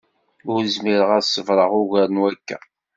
Ur zmireɣ ad s-ṣebreɣ ugar n wakka.